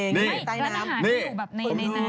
นี่ประหลังอาหารก็อยู่แบบน้ำ